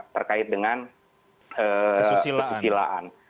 terkait dengan kesusilaan